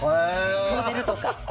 モデルとか。